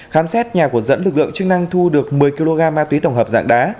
khám xét nhà của dẫn lực lượng chức năng thu được một mươi kg ma túy tổng hợp dạng đá